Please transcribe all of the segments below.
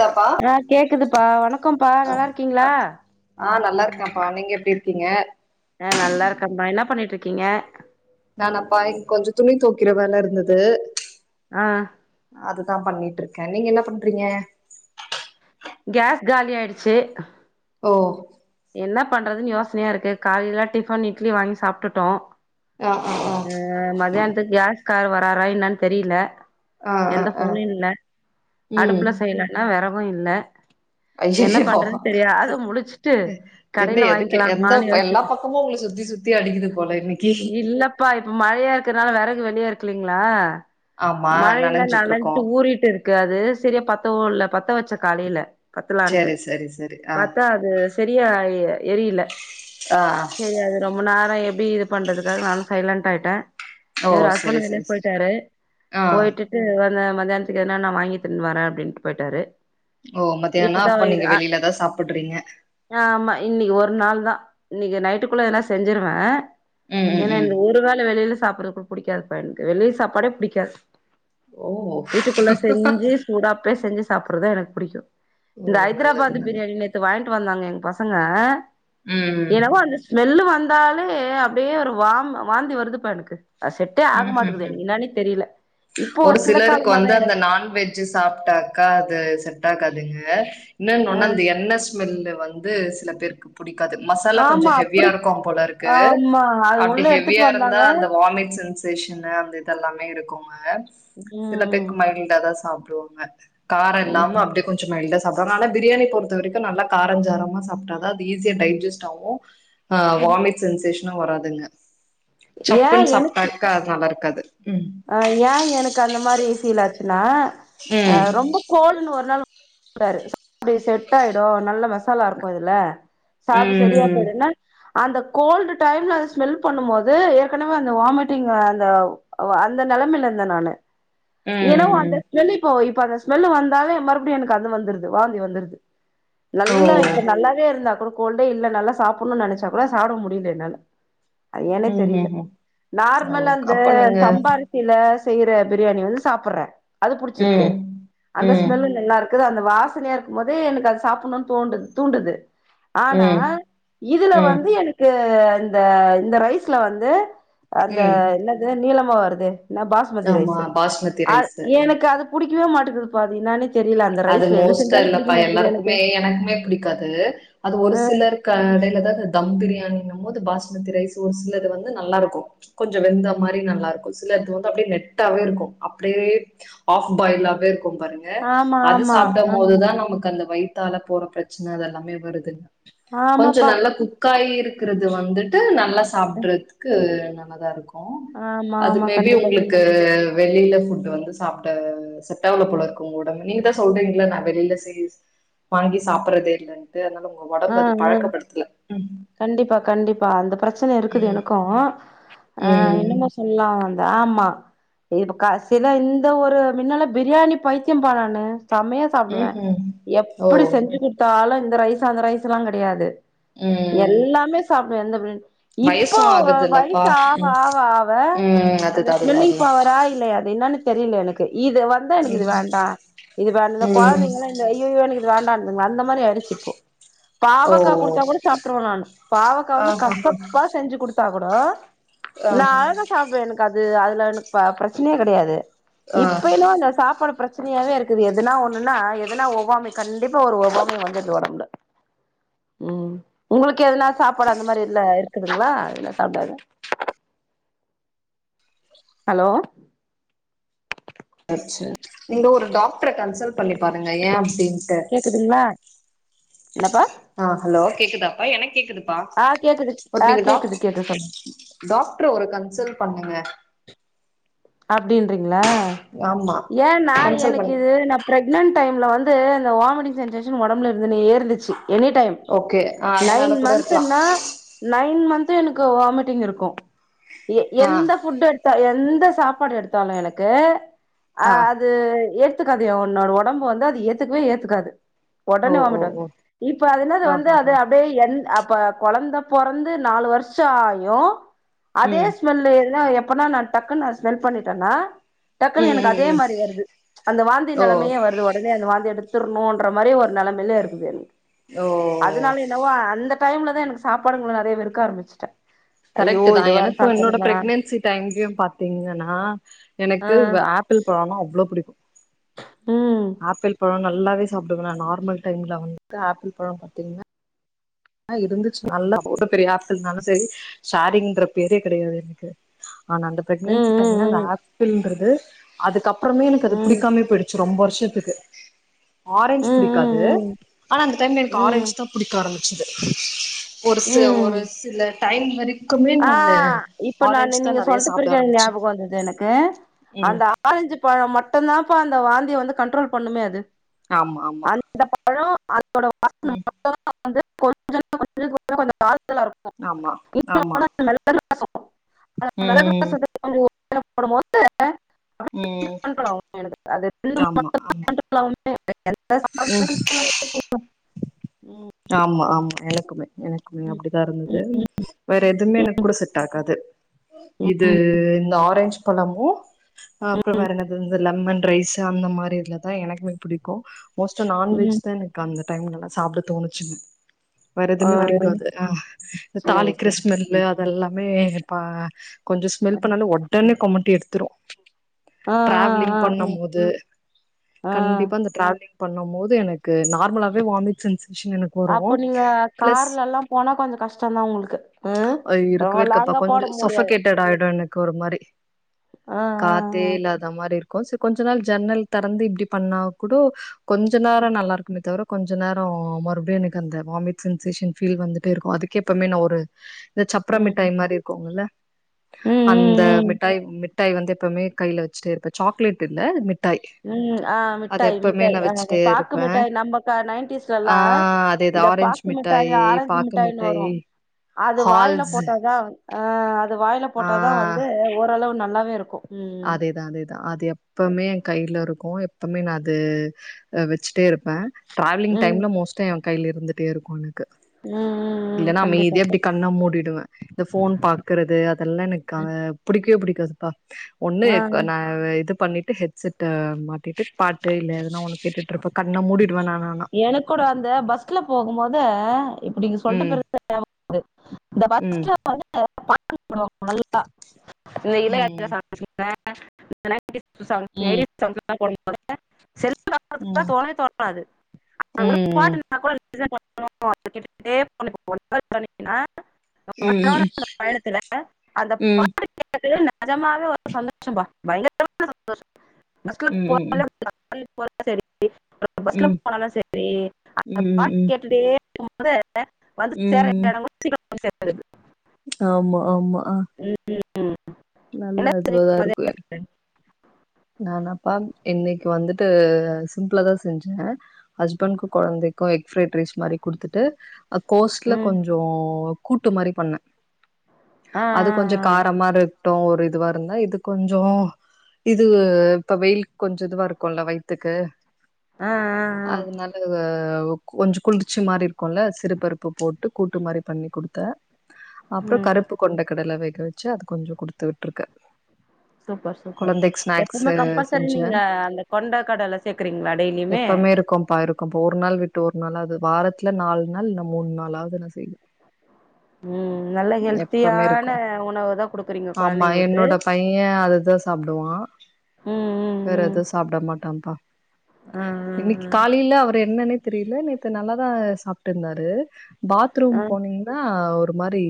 தாப்பா ஆ கேக்குதுப்பா வணக்கம்ப்பா நல்லா இருக்கீங்களா ஆ நல்லா இருக்கேன்ப்பா நீங்க எப்டி இருக்கீங்க ஆ நல்லா இருக்கம்பா என்ன பண்ணிட்டுருக் ருக்கீங்க நானப்பா இங்க கொஞ்சோ துணி தோக்கிற வேல இருந்தது ப்ச் ஆ அதுதான் பண்ணிட்ருக்கேன் நீங்க என்ன பண்றீங்க. கேஸ் காலி ஆயிடுச்சு ஓ என்ன பண்றதுன்னு யோசனையா இருக்கு காலிலயெலாம் டிஃபன் இட்லி வாங்கி சாப்ட்டுட்டோம் ஆஹ் ஆஹ் ஆஹ் இந்த கேஸ்கார் வராறா என்னன்னு தெரியல ஆ ஆ எந்த ஆ போனும் இல்ல, ம் அடுப்ல செய்யல ன்னா வெறவும் இல்ல என்ன ஐயையோ பண்றது தெரியாத முழிச்சி என்ன எதுக்கு எந்த எல்லா பக்கமும் உங்கள சுத்தி சுத்தி அடிக்கிது போல இன்னக்கி ஆ வெறகு வெளிய இருக்குள்ளிங்ளா ஆமா மழைல்ல நனஞ்சிட்டு இருக்கோ நனைஞ்சிட் ஊறிட்டு இருக்கு அது சரியா பத்தவும் இல்ல பத்த வச்சே காலையில பத்தலான்ட்டு செரி செரி செரி ஆ பாத்தா அது சரியா அஇ எரியில. ஆ சரி அது ரொம்ப நே அ எப்டி இது பண்றதுக்காக நானு சைலண்ட் ஆயிட்ட ஓ இவரு செரி ஹஸ்பெண்டு செரி நின்னுட் செரி போய்ட்டாரு. ஆ போயிட்டுட்டு வந்த மத் மத்தியானத்துக்கு எதனா நா வாங்கியெத்துன் வர அப்டின்ட்டு போயிட்டாரு. ஓ மத்தியானொ இப்பதா அப்ப இது நீங்க ஆ வெளிலதா சாப்புட்றீங்க. ஆமா, இன்னிக்கு ஒரு நாள் தா. இன்னக்கி நைட்டுக்குள்ள எதுனா செஞ்சிருவ. ம் ம் ஏன்னா இந்த ம் ஒரு வேள வெளில சாப் வரப்பு புடிக்காதுப்பா எனக்கு வெளிய சாப்பாடே புடிக்காது. வீட்டுக்குள்ள ஓ செஞ்சி சூடா அப்பயே செஞ்சி சாப்ட்றதா எனக்கு புடிக்கு. ஓ இந்த நல்லது ஐதராபாத் நல்லது பிரியாணி நேத்து வாய்ண் டு வந்தாங்க ஏ பசங்க ம் என்னவோ அந்த ஸ்மெல்லு வந் ந்தாலே அப்டியே ஒரு வாம் வாந்தி வருதுப்பா எனக்கு. அது செட்டே ஆக ம் ஹும் மாட்டேங்குது ஹும் எனக்கு என்னானே தெரியல இப்போ ஒரு சில சிலருக்கு காலமாதா வந்து அந்த எனக்கு நான்வெஜ் சாப்ட்டாக்கா அது செட் ஆகாதுங்ப இன்னொன்னு ஆ ஒண்ணு அந்த எண்ணெ ஸ் மெல்லு வந்து சில பேருக்கு புடிக் க்காது மசாலா கொஞ்சொ ஆமா ஹெவியா அப்டி இருக்கும்போல இருக்கு ஆமா அது உள்ள அப்டி எடுத்துட்டு ஹெவியா வந்தாங்க இருந்தா அந்த வாமிட் சென் சேஷனு அந்த இது எல்லாமே இருக்குங்க. சில ம் பேக்கு மைல்டாதா சாப் டுவாங்க காரொ இல்லாம ம் அப்டியே கொஞ்சொ மைல்டா சாப் அதனால பிரியாணி பொறுத்த வரைக்கு, நல்லா காரஞ்சாரமா சாப்ட்டாதா அது ஈஸியா டைஜெஸ்ட் ஆவு ஆ வாமிட் சென்சேஷ் னு வராதுங்க சப்புன்னு சாப்ட்டா நல்லா இருக்காது உம் அ ஏ எனக்கு அந்த மாரி ஃபீல் ஆச்சினா அ ம் ரொம்போ கோள்ன்னு ஒரு நாள் டாரு [inaudible] அப்டி செட் ஆயிடு நல்ல மச மசாலா இருக்கு இதுல சாப்டு செரியா ம் போயிடுன்னா அந்த கோல்டு டைம்ல ஸ்மெல் பண்ணும் போது ஏற்கனவே அந்த வாமிட்டிங் ஆ அந்த வ அந்த நெலமைல இருந்த நானு ஏனோவ் அந்த ம் செல்லு இப்போம் இப்ப இப்ப அந்த ஸ்மெல்லு வந்தாலே மறுபடியும் எனக்கு அது வந்துருது வாந்தி வந்துருது ஓ நல்லா இப்ப நல்லாவே இல்லே குடு கோல்டே இல்லே நல்லா சாப்புடணும் நெனச்சா கூட சாப்ட முடில என்னால அது ஏன்னே தெரியல ம்ஹுஹும் ஓ நார்மலா அந்த அப்ப நீங்க சம்பா அரிசில செய்ற பிரியாணிகள் சாப்புர்றேன் அது புடிச்சிருக்கு ம் அந்த ம் ஸ்மெல்லு நல்லா இருக்குது அந்த வாசனையா இருக்கும்போது எனக்கு அது சாப்புடன்ணும் தோண்டுது தூண்டுது ஆனா ம் இதுல ம் வந்து எனக்கு இந்த இந்த ரைஸ்ல வந்து அந்த ம் என்னது நீலம் எப்போ வருது ஆ பாஸ்மதி ஆமா ரைஸ்ஸு பாஸ்மதி [unintelligible] அ ரைஸு ஏனக்கு அது புடிக்கி வே [unintelligible] மாட்டுது பாதி நெனச்சி அதுல மோஸ்டா இல்லப்பா எனக்கு எல்லாருக்குமே எனக்குமே புடிக்காது அது ஒரு அ சிலர் கடைல தான் அது தம் பிரியாணினா [unintelligible] பாஸ்மதி ரைஸ் ஒரு சிலது வந்து நல்லா இருக்கும் கொஞ்சம் வெந்த மாதிரி நல்லா இருக்கும் சிலது வந்து நெட்டாவே இருக்கும் அப்டியே ஆஃப்பாய்லாவே இருக்கும் குக் பாருங்க ஆமா [unintelligible] ஆமா சாப்டம் அ போதுதான் நமக்கு அந்த வய்த்தால போற பிரச்சன அதெல்லாமே வருது கொஞ்சம் ஆமாப்பா நல்லா குக்காயி இருக்குறது வந்துட்டு நல்லா சாப்ட்டுறதுக்கு நம்மதா இருக்கும் ஆமா அது ஆமா மேபி கண்டிப்பா உங்களுக்கு கண்டிப்பா வெளில இங்க வந்து சாப்ட செட்டாவல போலருக்கு உங்க ஒடம்ப் நீங்க தா சொல்றீங்ளே நான் வெளியில செய் வாங்கி சாப்புறதே இல்லேன் ஆ உம் கண்டிப்பா கண்டிப்பா அந்த பிரச்சனை இருக்குது ம் எனக்கூ ஆ ம் இன்னுமும் சொல்லலாம் ஆம ஆமா இப் க சில இந்த ஒரு மின்னால பிரியாணி பைத்தியம்பா நானு செமையா ம் சாப்டுவே ம்ஹும் ஓ எப்டி செஞ்சு குடுத்தாலூம் [unintelligible] அ அங்க ரைஸெல்லா கெடையாது ம் எல்லாமே சாப் வ எந்த பிரியாணி [unintelligible] இப்போ வயசு வ ஆகுதுல்லப்பா வயசு ஆவ ம் ஆவ ஆவ ம் அந்த அதுதா அதுதா ஸ்மெல்லிங் அதுதா பவரா இல்ல அது என்னன்னுத் தெரில எனக்கு இது வந்தா எனக்கிது ம் வேண்டா இது வ ம் கொழந்தைங்கலா இந்த அய்யயோ எனக்கிது வேண்டான் இதுங் அந்த மாரி அடிச்சிக்கோ ஓ பாவக்கா குடுத்தா கூட சாப்டுருவன் நானு பாவக்கா ஆ வந்து ஹா ஹா கசப்பா செஞ்சு குடுத்தா கூடோ ஆ நா அததா சாப்டுவே எனக்கு அத் அது அதுலெனக் ப ப்ரச்னையே கெடையாது ஆ இப்பதா இந்த சாப்பாடு ப்ரச் ச்னையாவே இருக்குது எதுனா ஒன்னுன்னா எதுனா ஒவ்வாமை கண்டிப்பா ஒரு ஒவ்வாமை வந்துருது ஒடம்புல ம் உங்களுக்கெதுனா சாப்பாடு அந்த மாரி இல்ல இருக்குதுங்ளா இதுலா சாப்டாத ஹலோ நீங்க ஒரு டாக் டர் கன்சல்ட் பண்ணி பாருங்க ஏ அப்டின்ட்டு என்னபா ஆ ஹலோ கேக்குதாப்பா எனக் கேக்குதுப் பா ஆ கேக்குது ஒ ஆ நீங்க டாக் கேக்குது கேக்குது சொல்லுங்க டாக்டர ஒரு கன்சல்ட் பண்ணுங்க அப்டின்றிங் லா ஆமா ஏன்னா கன்சல்ட் பண்ணு எனக்கிது நா ப்ரக் னன்ட் டைம்ல வந்து இந்த வாமிட்டிங் சென்சேஷன் ஒடம்புல இருதுடே இருந்துச்சு எனி டைம் ஓகே ஆ அதனால நைன் கூட இருக்கலா மந்த்துன்னா நைன் மந்த் வந்துட்டு எனக்கு வாமிட்டிங் இருக்கூ ஏ ஆ எந்த ஃபுட் எடுத்தா எந் த சாப் பாடு எடுத்தாலூ எனக்கு ஆ அஹ் அது எ ஏத்துக்காது உன்னோட உடம்பு வந்து அது ஏத்துக்கவே ஏத்துக்காது ஓ உடனே ஓ வோமிட் வரு ஓ இப்ப அது என்னது ஆ வந்து ஹ ஹ அது அப்படியே என் அப் இப்ப குழந்த பிறந்து நாலு வருஷம் ஆயும் அதே ம் ஸ்மெல் எல்லா எப் அப்பனா நா டக்குனு ஸ்மெல் பண்ணிட்டனா டக்குனு ம் எனக்கு ம் அதே ம் மாதிரி வருது அந்த வாந்தி ஓ நிலைமயே வருது உடனே அந்த வாந்தி எடுத் ன்ணுறுற மாதிரி ஒரு நிலைமயல இருக்குது ஓ அதனால என்னவோ அந்த டைம்லதா எனக்கு சாப்பாடுங்ள நெறைய வெறுக்க ஆரம்ச்சிட்டே கரெக்ட்டுதா எனக்கு என்னோட ப்ரெக்னன்சி டைம் [unintelligible] பாத்தே ங்கனா ஆ எனக்கு வ ஆப்பிள் பழோனா அவ்ளோ புடிக்கு ம் ல்லாவே சாப்டுவே நா நார்மல் டைம்ல வன்ட்டு ஆப்பிள் பழோ பாத்தீங்னா ஆ இருந்துச்சு நல்லா [unintelligible] பெரிய ஏப்பிள்னாலு சரி ஷேரீங்ற பேரே கெடையாது என்க்கு ஆனா அந்த ம் ப்ரெக்னன்சி ம் டைம்ல அந்த ம் ஏப்பிள்ன்றது அதுக்கப் ப்றமே எனக்கு ம் அது புடிக்காமயே போய்டு ச்சு ரொம்ப வருஷத்துக்கு ஆரஞ்ச் ம் ம் ம் புடிக்காது ம் ஆனா அந்த டைம்ல எனக்கு ம் ஆரஞ்ச் தா புடிக்காரம் [unintelligible] ஒரு செ ஒரு சிலர் டைம் வரி ஆஹ் இப்ப நான்னு நீங்க நெறைய சாப்ட சொல்றபிறகு என் ஆரம்பிச்சே ஞாபக வந்தது எனக்கு ம் அந்த ஆரஞ்சு பழோ மட் ட்டுந்தான்ப்பா அந்த வாந்திய வந்து கன்ட்ரோல் பண்ணுமே அது ஆம்மா ஆம்மா [unintelligible] [inaudible] வந்து [inaudible] ஆமா [unintelligible] ஆமா [inaudible] [inaudible] மெளகு ம் ம் [inaudible] [inaudible] ம் அது ரெண்டு ஆம்மா ஆம்மா கண்ட்ரோல் ஆகுமே ம் ஆம்மா ஆம்மா எனக்குமே எனக்குமே ம் அப்டிதா இருந்தது ம் வேற எதுமே ம் எனக்கூட செட் ஆகாது ம் இது இந்த ஆரஞ்ச் பழமு அப்றோ வேற என்னது இந்த லெமன் ரைஸு அந்த மாரி இதுலதா எனக்குமே புடிக்கு மோஸ்ட் நான் ம். வெஜ் தா எனக் அங்க டைம்லலா சாப்ட தோணு [unintelligible] வேற ஆ எதுமே பிடிக்காது அ இந்த சரி தாலிக்கிற சரி ஸ்மெல்லு அதெல்லா மே ரிப்பா கொஞ்சோ ஸ்மெல் பண்ணாலு ஒடன்னே கொமட்டி எடுத் த்திரு ஆ ஆ ஆ திராவலிங் பண்ண போது ஆ ஆ. கண்டிப்பா இந்த திராவலிங் பண்ணும் போது எனக்கு நார்மலாவே வாமிட் சென்ஸ் அப்போ நீங்க கார்ல ல்லா போனா கொஞ்சோ கஷ்டதா உங்களுக்கு ஆ ரொம்ப இருக்கவே இருக்கப்பா லாங்கா கொஞ்சோ போட முடியாது சொஃபகேட்டட் ஆயிடு எனக்கு ஒரு மாரி ஆ ஆ ஆ கோசு கொஞ்ச நேரோ ஜன்னல் தறந்து இப்டி பண்ணா கூட கொஞ்ச நேரோ நல்லாருக்குமே தவர கொஞ்ச நேரோ மறுபடியு எனக்கு அந்த வாமிட் சென்சேஷன் ஃபீல் வந்துட்டேருக்கு அதுக்கே எப்புமே நா ஒரு இந்த ச்சப்பர ம் மிட்டாய் மாரிருக்கும்ல ம் அந்த ம் ம் மிட்டாய் மிட் மிட்டாய் வந்து எப்பமே கைல வச் ச்சுட்டேருப்பே சாக்லேட் இல்லே மிட் ம் ஆ மிட்டாய் மிட்டாய் ஆமாங்க வச்சுட்டே பாக்கு இருப்பே மிட்டாய் நம்ம க நையன்டீஸ்ல ஆ எல்லா அதேதா இந்த ஆரஞ்சு பாக்கு மிட்டாய மிட்டாயி ஆரஞ்சு பாக்கு மிட்டாயுனு மிட்டாயி வரும் அது வாயில ஹால்ஸ் போட்டாதா ஆ அத் அது வாயில ஆ போட்ட தா வந்து ஓரளவு ந நல்லாவே இருக்கு ம் அதேதா அதேதா அது எப்பமே என் கைல இருக்கு க்கும் எப்பமே நா அது வச்சுட்டே இருப்பே டிராவிலிங் ம் டைம்ல மோஸ்ட் கைல இருந்துட்டே இருக்கும் க ம் ம் ம் இல்லனா கண்டிப்பா அமைதியா நா அப்டி கண் கண்ண மூடிடுவே இந்த ஃபோன் பாக்குறது அதெல்லா எனக்கு க அ புடிக்கவே புடிக்காது ப ஒண்ணு ஆ இப்ப நா இது பண்ணி ஹெட்செட்டா மாட்டிட்டு பாட்டு இல்ல எதுனா ஒண்ணு கேட்டுட்டு இருப்ப கண்ண மூடி எனக்கூட அந்த பஸ்ல போகும் போது இப்டி நீங்க சொல்ட ம் பிறகு [inaudible] இந்த ம் பஸ்ல படு [unintelligible] அப்புறம் நல்லா இந்த இலை [unintelligible] ம் சமைச்சுக்கிட்டே [unintelligible] கிட்ஸ் ச [inaudible] [unintelligible] ம் செல்போன் தோணே தோது ஒரு பாட்டு ம் நின்னா கூட [inaudible] ம் ந்த பயணத்து ல அந்த ம் பாட்டு கேட்டது நஜாமாலு ஒர் சந்தோஷாபா பயங்கர சந்தோஷ நஸ்கு ம் போ ம் ல போரா செரி பஸ்ல ம் ம் போனாலு செரி ம் அந்த பாட்டு ம் கேட்டுடே மோ ற அ வந்து சேர ம் இடங்களு சேத்துறது ஆமா ஆமா ஆ ம் நல்ல [unintelligible] இருக்கு நான பா இன்னைக்கு வந்துட்டு சிம்பளாதா செஞ்ச ஹஸ்பண்டுக்கொ கொழந்தைக்கு எக் ஃப்ரைட் ரைஸ் மாரி கூடுதுட்டு கோஸ்ட் ல ம் கொஞ்சோ கூட்டு மாரி பண்ண ஆ ஆ அது ஆ கொஞ்சோ காரமா இரு டோ ஒரு இதுவா இருந்தா இது கொஞ்சோ இது இப்ப வெயில்க் கொஞ்சோ இதுவா இருக்கொல்ல வயித்துக்கு ஆஹ் ஆஹ் ஆஹ கொஞ்சோ குளிர்ச்சு மாரி இருக்கொல சிறுபருப்பு போட்டு கூட்டு மாரி பண்ணி கூடுத்த அப்றோ ம் கருப்பு கொண்டை கடலை வை க வச்ச அது கொஞ்சோ கொடுத் தொட்ருக்க சூப்பர் சூப்பர் எப்பவுமே கம்பல்சரி செஞ்சு நீங்க அ அந்த கொண்ட கடல சேர்க்கறீங்களா டெய்லியுமே எப்பமே இருக்கும்ப்பா இருக்கும்ப்பா ஒரு நாள் விட்டு ஒரு நாளாவது வாரத்தல நாலு நாள் நம்மோ நாளாவது நாள் செய்வ உம் நல்ல ஹெல்த்தியான இருக்கு உணவு தா குடுக்குறீங்கோ ஆமா என்னோட பைய அததா சாப்டுவா ம் வேற ம் எத சாப்ட மாட்டாபா ம் ஆ இன்னைக்கு காலில அவர் என்னனே தெரியல நேக நல்லாதா சாப்டு இருந்தாரு ஆ பாத்ரூம் ஆ போனீங்ளா ஒரு ஒம் மாறி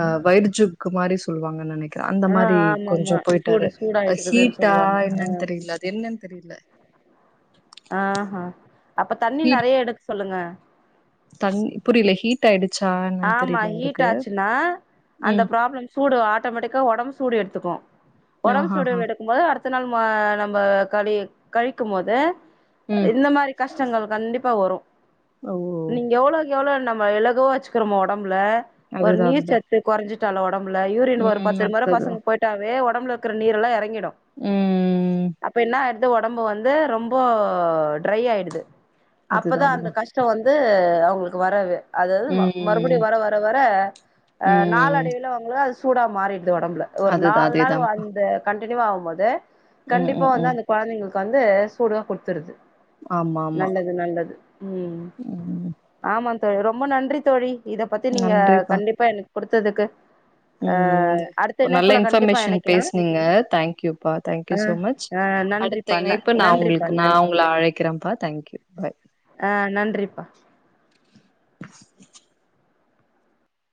அ வைஜுக்கு மாறி சு சொல்லுவாங்க நனேக் க அந்த ஆ ஆ மாறி கொஞ்சோ ஆமாமா சூடு போயிட்டாரு அ சூடாயிட்டுக்குதுன்னு ஹீட்டா சொல்லுவாங்க என்னன்னு தெரியல அது என்னன்னு தெரியல ஆஹா அப்ப தண்ணி ஹீட் நெறைய எடுக் சொல்லுங்க தண்ணி புரிலே ஹீட் ஆயிடு ஆமா ஹீட் ஆச்சின்னா அந்த ம் ப்ராப்ளம் சூடு ஆட்டோமேட்டிக்கா ஒடம்பு சூடு எடுத்துக்கு ஒடம்பு சூடு ஆஹாஹா எடுக்கு போது அடுத் த்து நாள் நம்மோ நம்ம கழி கழிக்கும் போது ம் இந்த மாறி கஷ்டங்கள் கண்டிப்பா வரு ஓ நீங்க எவ்ளோவுக்கு எவ்ளோ நம் வ எலகுவாச் க்கிறோ நம்ம ஒடம்புல ஒரு அதுதான் நீர் அதுதான் சத்து கொறஞ்சு சலவாட் டம்புல யூரின் வரு ம் பத்து முற பசங் அதுதான் போயிட்டாவே ஒன் ஒடம்ல இருக்ற நீரெல்லா எறங்கிடு டா அதுதான் ம் அப்ப என்ன இந்த ஒடம்பு வந்து ரொம்போ ட்ரையா ஆயிடுது அப்பதா அதுதான் அந்த அதுதான் கஷ்டோ வந் து அவங்களுக்கு வரவு அது அது மா மறுபடியு ம் வர வர வர அ நாள் ம் அடைவில அவங்கள அது சூடா மாறி இந்த ஒடம்புல ஒரு அதுதான் நாலு நாள் அதேதான்ப்பா வந்து கண் தெளிவாவும்போது ம் கண்டிப்பா ம் வந்து ம் அந்த கொழந்தைங்களுக்கு வந்து சூடுவ குடுத்துருது நல்லது நல்லது ம் ம் த ரொம்ப நன்றித் தோழி இத பத்தி நீங்க நன்றிப்பா கண்டிப்பா எனக் கொடுத்ததுக்கு ம் நல்ல கண்டிப்பா இன்ஃபர்மேஷன் இணைக்கலா பேஸ்னீங்க தேங்க்யூப்பா தேங்க்யூ சோ மச் ஆ நன்றிப்பா அடுத்த ந இணைப்பு நா நன்றிப்பா உங்களுக்கு நா நன் உங்க அழைக்கிறேன்பா தேங்க்யூ பாய் ஆ நன்றிப்பா [inaudible]